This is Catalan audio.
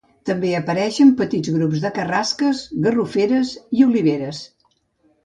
També apareixen petits grups de carrasques, garroferes i oliveres.